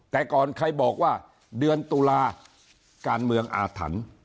แต่ก่อนใครบอกว่าเดือนตุลาการเมืองอาถรรพ์